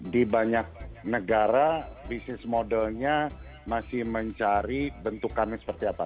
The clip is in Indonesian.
di banyak negara bisnis modelnya masih mencari bentukannya seperti apa